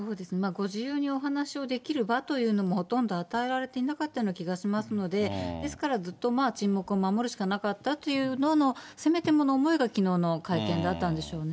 ご自由にお話をできる場というのも、ほとんど与えられていなかったような気がしますので、ですから、ずっと沈黙を守るしかなかったというのの、せめてもの思いが、きのうの会見だったんでしょうね。